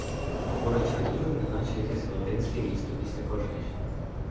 Гори чорніли неначе якесь велетенське місто після пожежі.